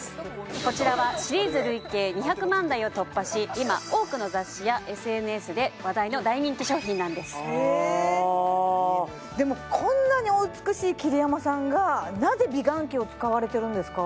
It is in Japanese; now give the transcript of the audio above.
こちらは今多くの雑誌やＳＮＳで話題の大人気商品なんですでもこんなにお美しい桐山さんがなぜ美顔器を使われてるんですか？